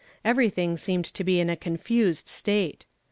Everything seemed to be in a confused state.